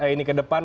ini ke depan